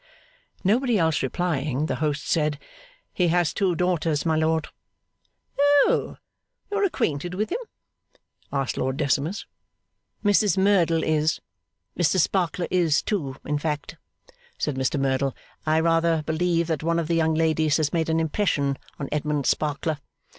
Nobody else replying, the host said, 'He has two daughters, my lord.' 'Oh! you are acquainted with him?' asked Lord Decimus. 'Mrs Merdle is. Mr Sparkler is, too. In fact,' said Mr Merdle, 'I rather believe that one of the young ladies has made an impression on Edmund Sparkler.